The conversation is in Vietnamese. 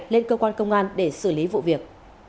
lên cơ quan công an để xử lý vụ việc